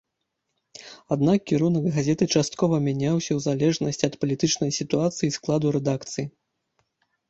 Аднак кірунак газеты часткова мяняўся ў залежнасці ад палітычнай сітуацыі і складу рэдакцыі.